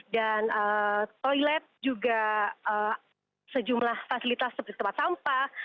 dan toilet juga sejumlah fasilitas seperti tempat sampah